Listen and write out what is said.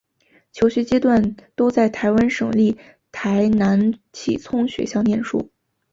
求学阶段都在台湾省立台南启聪学校念书。